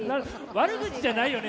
悪口じゃないよね？